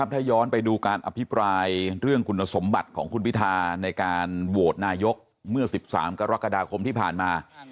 ถ้าย้อนไปดูการอภิปรายเรื่องคุณสมบัติของคุณพิธาในการโหวตนายกเมื่อ๑๓กรกฎาคมที่ผ่านมา